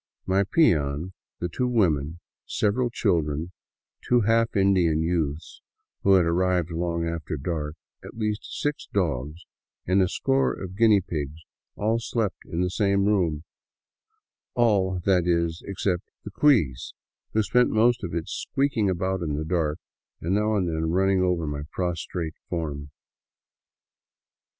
My peon, the two women, several children, two half Indian youths who had arrived long after dark, at least six dogs, and a score of guinea pigs all slept in the same room — all, that is, except the cuis, which spent most of it squeaking about in the dark, and now and then running over my prostrate form.